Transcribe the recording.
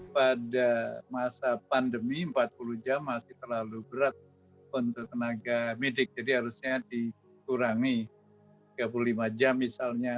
pada masa pandemi empat puluh jam masih terlalu berat untuk tenaga medik jadi harusnya dikurangi tiga puluh lima jam misalnya